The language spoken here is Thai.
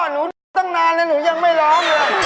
หนูได้ตั้งนานแล้วหนูยังไม่รอม